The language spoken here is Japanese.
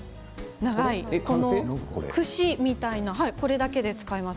串みたいなこれだけで使います。